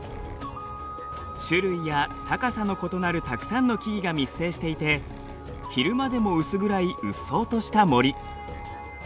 種類や高さの異なるたくさんの木々が密生していて昼間でも薄暗いうっそうとした森。